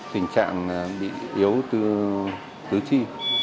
tình trạng bị yếu từ tứ chi